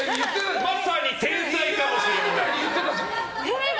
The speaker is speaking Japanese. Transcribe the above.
社長はまさに天才かもしれない！